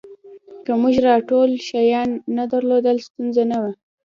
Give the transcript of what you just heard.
که موږ دا ټول شیان نه درلودل ستونزه نه وه